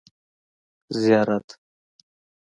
زيارت